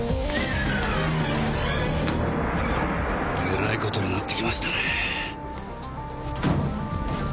えらい事になってきましたね。